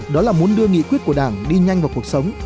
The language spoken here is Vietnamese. đó là muốn đưa nghị quyết của đảng đi nhanh vào cuộc sống